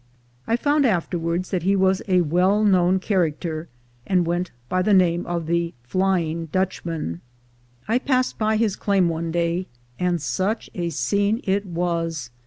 I found afterwards that he was a well known character, and went by the name of the Flying Dutchman. I passed by his claim one day, and such a scene it was!